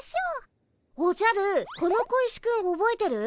おじゃるこの小石くんおぼえてる？